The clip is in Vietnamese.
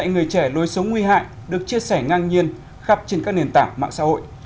người trẻ lối sống nguy hại được chia sẻ ngang nhiên khắp trên các nền tảng mạng xã hội